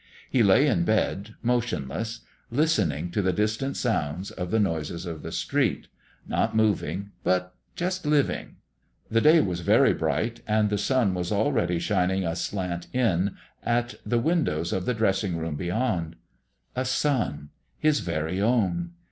He lay in bed motionless, listening to the distant sounds of the noises of the street not moving, but just living. The day was very bright and the sun was already shining aslant in at the windows of the dressing room beyond. A son; his very own.